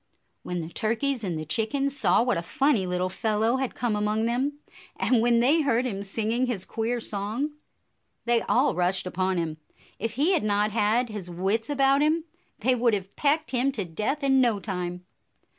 When the turkeys and the chickens saw what a funny little fellow had come among them, and when they heard him singing his queer song, they all rushed upon him. If he had not had his wits about him, they would have pecked him to death in no time.